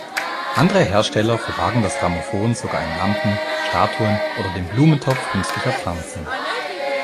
Andere Hersteller verbargen das Grammophon sogar in Lampen, Statuen oder dem „Blumentopf“ künstlicher Pflanzen.